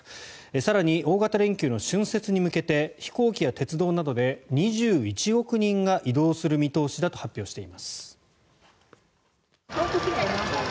更に大型連休の春節に向けて飛行機や鉄道などで２１億人が移動する見通しだと発表しています。